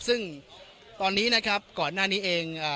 ซึ่งตอนนี้นะครับก่อนหน้านี้เอง